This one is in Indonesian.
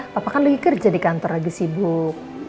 papa kan lagi kerja di kantor lagi sibuk